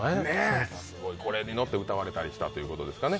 これに乗って歌われたりしたということですかね